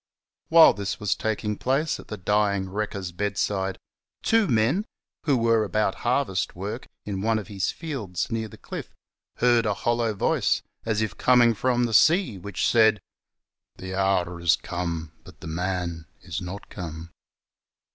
Whilst this was taking place at the dying wrecker's bedside, two men, who were about harvest work in one of his fields near the cliff, heard a hollow voice, as if coming from the sea, which said, " The hour is come but the man is not come."